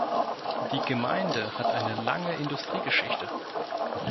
Die Gemeinde hat eine lange Industriegeschichte.